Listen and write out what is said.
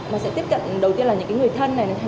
mà sẽ tiếp cận đầu tiên là những người thân này